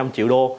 hai năm triệu đô